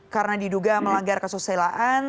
karena diduga melanggar kesusilaan